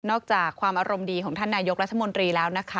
จากความอารมณ์ดีของท่านนายกรัฐมนตรีแล้วนะคะ